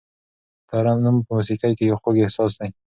ترنم په موسیقۍ کې یو خوږ احساس دی.